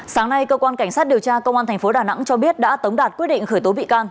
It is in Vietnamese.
sáng nay cơ quan cảnh sát điều tra công an tp đà nẵng cho biết đã tống đạt quyết định khởi tố bị can